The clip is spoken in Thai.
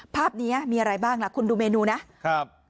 ภาพนี้มีอะไรบ้างล่ะคุณดูเมนูนะครับ